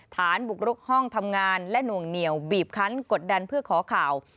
ฐานบุกรุกห้องทำงานและหน่วงเหนียวบีบคันกดดันเพื่อขอข่าว